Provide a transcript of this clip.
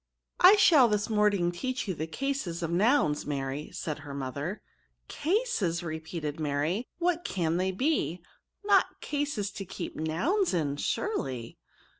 '' I SHALL this moming teach you the cases of noiinSy Mary/' said her mother. " Cases!'* repeated Mary, " what can they be? not cases to keep nouns in surely?"